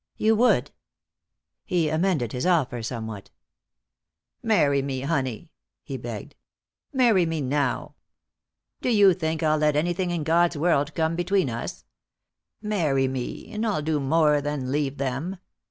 "You would?" He amended his offer somewhat. "Marry me, honey," he begged. "Marry me now. Do you think I'll let anything in God's world come between us? Marry me, and I'll do more than leave them."